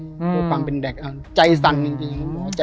ก็ความเป็นแดกใจสั่นจริง